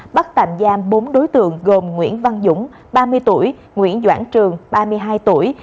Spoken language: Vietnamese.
bắt tạm giam bốn đối tượng gồm nguyễn văn dũng ba mươi tuổi nguyễn doãn trường ba mươi hai tuổi